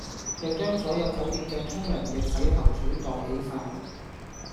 又將所有酒店既沖涼液洗頭水袋起哂